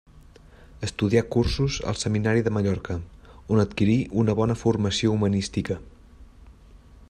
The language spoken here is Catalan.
Estudià cursos al Seminari de Mallorca, on adquirí una bona formació humanística.